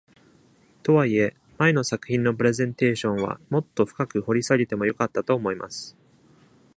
とはいえ、前の作品のプレゼンテーションはもっと深く掘り下げても良かったと思います。